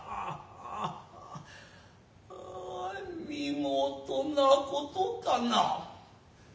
あ見事なことかな。